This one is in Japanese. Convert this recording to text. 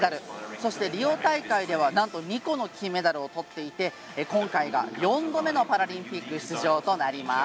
そして、リオ大会ではなんと２個の金メダルをとっていて今回が４度目のパラリンピック出場となります。